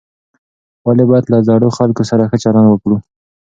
ولې باید له زړو خلکو سره ښه چلند وکړو؟